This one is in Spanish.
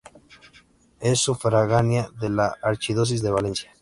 Es sufragánea de la archidiócesis de Valencia.